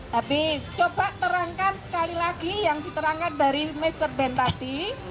habis coba terangkan sekali lagi yang diterangkan dari mr band tadi